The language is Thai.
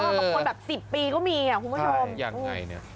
บางคนแบบ๑๐ปีก็มี